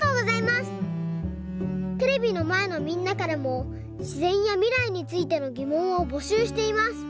テレビのまえのみんなからもしぜんやみらいについてのぎもんをぼしゅうしています。